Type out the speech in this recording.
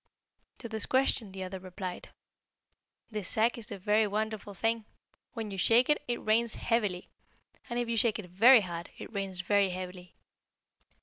To this question the other replied, 'This sack is a very wonderful thing. When you shake it, it rains heavily; and if you shake it very hard, it rains very heavily.'